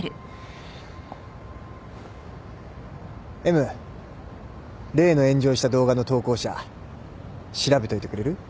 Ｍ例の炎上した動画の投稿者調べといてくれる？